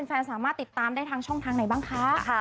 แฟนสามารถติดตามได้ทางช่องทางไหนบ้างคะ